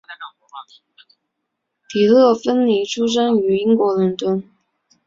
迪乐芬妮出生于英国伦敦。